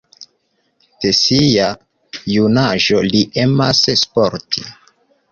De sia junaĝo li emas sporti.